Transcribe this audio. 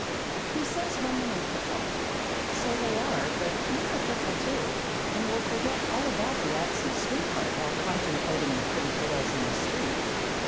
He says women are fickle. So they are, but men are fickle too, and will forget all about the absent sweetheart while contemplating the pretty girls in the street.